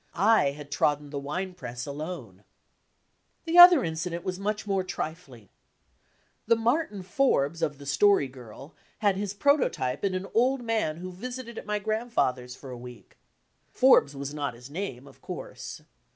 I had trodden the wine press alone. The other incident was much more trifling. The "Mar tin Forbes" of 7'j&*i/or)'<J"'/ had his prototype in an old man who visited at my grandfather's for a week. Forbes was not his name, of course.